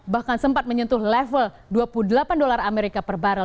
bahkan sempat menyentuh level dua puluh delapan dolar amerika per barrel